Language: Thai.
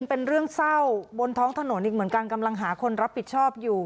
เป็นเรื่องเศร้าบนท้องถนนอีกเหมือนกันกำลังหาคนรับผิดชอบอยู่